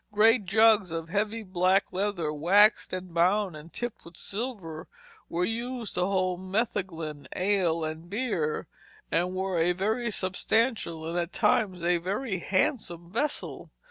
Great jugs of heavy black leather, waxed and bound, and tipped with silver, were used to hold metheglin, ale, and beer, and were a very substantial, and at times a very handsome vessel.